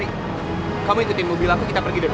kamu ikutin mobil aku kita pergi dulu